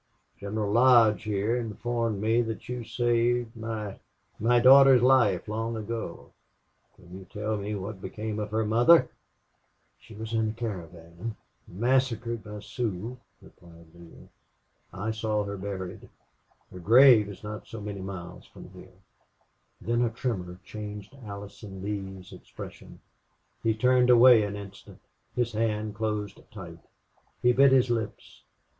"General Lodge here informed me that you saved my my daughter's life long ago.... Can you tell me what became of her mother?" "She was in the caravan massacred by Sioux," replied Neale. "I saw her buried. Her grave is not so many miles from here." Then a tremor changed Allison Lee's expression. He turned away an instant: his hand closed tight; he bit his lips.